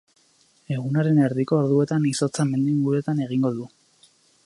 Egunaren erdiko orduetan izotza mendi inguruetan egingo du.